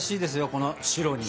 この「白」には。